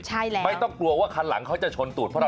ใช่แล้วไม่ต้องกลัวว่าคันหลังเขาจะชนตูด